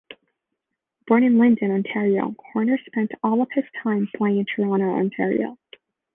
Born in Lynden, Ontario, Horner spent all of his time playing in Toronto, Ontario.